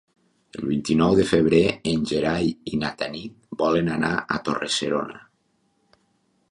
El vint-i-nou de febrer en Gerai i na Tanit volen anar a Torre-serona.